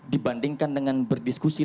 dibandingkan dengan berdiskusi